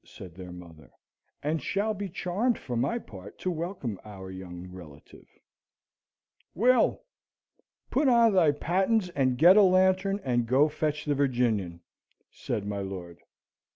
said their mother, "and shall be charmed for my part to welcome our young relative." "Will! Put on thy pattens and get a lantern, and go fetch the Virginian," said my lord.